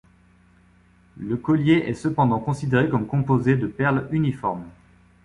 Le collier est cependant considéré comme composé de perles uniformes.